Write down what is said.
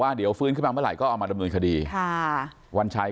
เดี๋ยวฟื้นขึ้นมาเมื่อไหร่ก็เอามาดำเนินคดีค่ะวันชัย